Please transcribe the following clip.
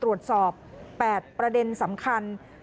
ตรวจสอบ๘ประเด็นสำคัญ